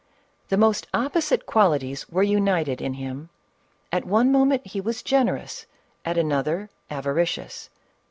The most opposite qualities were united in him. At one moment he was generous, at another avaricious.